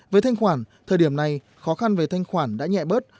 với thanh khoản thời điểm này khó khăn về thanh khoản đã nhẹ bớt